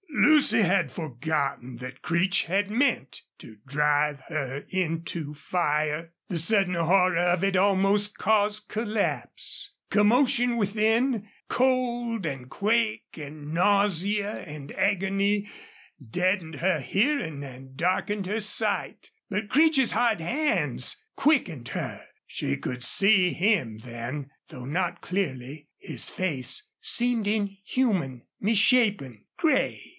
Lucy had forgotten that Creech had meant to drive her into fire. The sudden horror of it almost caused collapse. Commotion within cold and quake and nausea and agony deadened her hearing and darkened her sight. But Creech's hard hands quickened her. She could see him then, though not clearly. His face seemed inhuman, misshapen, gray.